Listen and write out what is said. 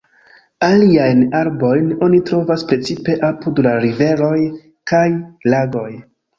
Aliajn arbojn oni trovas precipe apud la riveroj kaj lagoj.